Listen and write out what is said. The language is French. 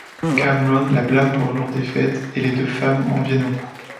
Cameron la blâme pour leur défaite et les deux femmes en viennent aux coups.